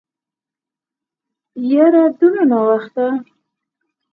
يره دونه ناوخته.